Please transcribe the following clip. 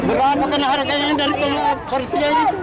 berapa harganya dari presiden itu